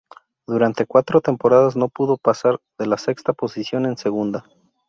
Durante cuatro temporadas no pudo pasar de la sexta posición en segunda.